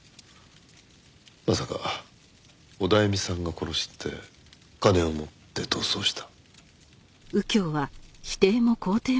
まさかオダエミさんが殺して金を持って逃走した。